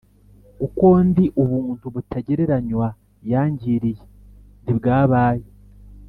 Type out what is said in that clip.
uko ndi Ubuntu butagereranywa yangiriye ntibwabaye